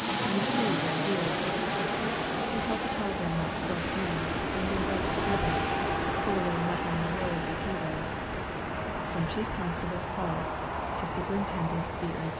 You see what it is " He held the telegram out to both men, and they read it together, Fullaway muttering the words as he read From _Chief Constable, Hull, to Superintendent C.I.